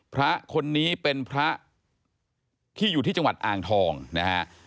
พระคนนี้เป็นพระที่อยู่ที่จังหวัดอ่างทองนะฮะ